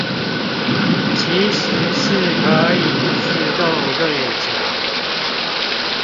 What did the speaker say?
其實是可以自動對獎